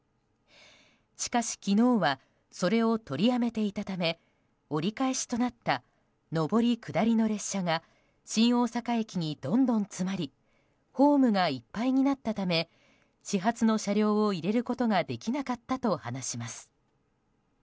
しかし昨日はそれを取りやめていたため折り返しとなった上り下りの列車が新大阪駅にどんどん詰まりホームがいっぱいになったため始発の車両を入れることができなかったと話します。